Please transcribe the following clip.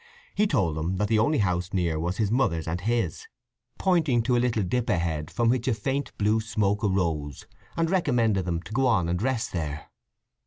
He told them that the only house near was his mother's and his, pointing to a little dip ahead from which a faint blue smoke arose, and recommended them to go on and rest there.